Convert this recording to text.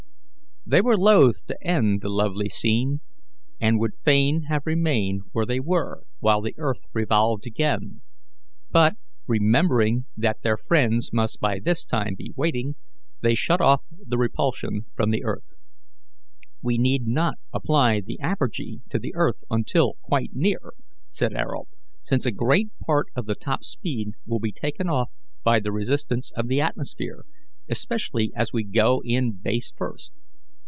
They were loath to end the lovely scene, and would fain have remained where they were while the earth revolved again; but, remembering that their friends must by this time be waiting, they shut off the repulsion from the earth. "We need not apply the apergy to the earth until quite near," said Ayrault, "since a great part of the top speed will be taken off by the resistance of the atmosphere, especially as we go in base first.